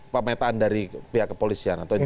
pemetaan dari pihak kepolisian atau itu juga